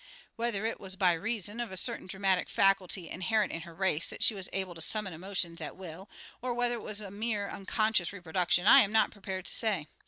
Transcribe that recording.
'" Whether it was by reason of a certain dramatic faculty inherent in her race that she was able to summon emotions at will, or whether it was mere unconscious reproduction, I am not prepared to say.